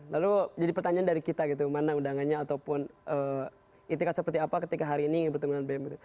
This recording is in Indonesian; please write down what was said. lalu jadi pertanyaan dari kita gitu mana undangannya ataupun itikat seperti apa ketika hari ini ingin bertemu dengan bem gitu